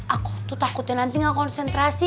aku tuh takutnya nanti gak konsentrasi